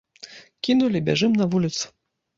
Кінулі, бяжым на вуліцу.